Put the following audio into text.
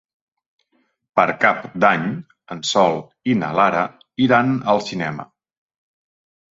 Per Cap d'Any en Sol i na Lara iran al cinema.